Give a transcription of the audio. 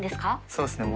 そうですね。